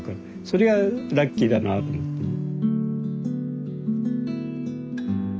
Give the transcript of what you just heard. それはラッキーだなと思ってね。